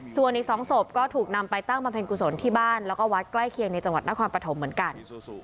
ส่วนอีก๒ศพก็ถูกนำไปตั้งบำเพ็ญกุศลที่บ้านแล้วก็วัดใกล้เคียงในจังหวัดนครปฐมเหมือนกัน